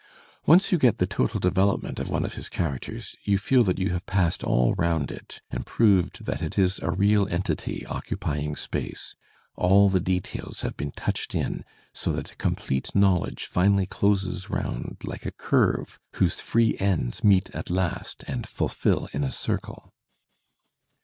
Once you get the total development of one of his characters, you feel that you have passed all round it and proved that it is a real entity occupying space; all the details have been touched in, so that complete knowledge finally closes round like a curve whose free ends meet at last and fulfil in a circle.